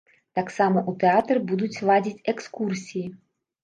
Таксама ў тэатры будуць ладзіць экскурсіі.